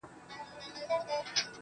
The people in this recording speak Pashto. • گراني چي د ټول كلي ملكه سې.